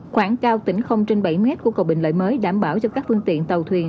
khoảng cao tỉnh trên bảy m của cầu bình lợi mới đảm bảo cho các phương tiện tàu thuyền